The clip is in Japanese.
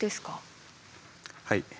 はい。